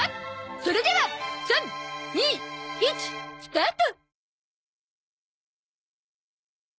それでは３２１スタート！